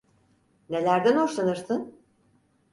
Nelerden hoşlanırsın?